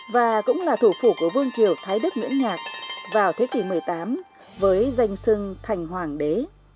và cũng là thủ phủ của vương triều thái đức nguyễn nhạc vào thế kỷ một mươi tám với danh sưng thành hoàng đế